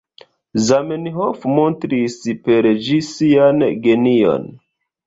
Zamenhof montris per ĝi sian genion.